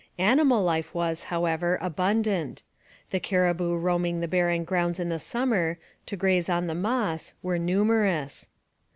Animal life was, however, abundant. The caribou roaming the barren grounds in the summer, to graze on the moss, were numerous.